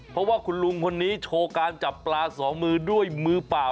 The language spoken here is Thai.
เพราะว่าคุณลุงคนนี้โชว์การจับปลาสองมือด้วยมือเปล่า